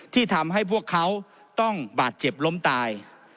ที่ทำให้พวกเขาต้องบาดเจ็บล้มตาย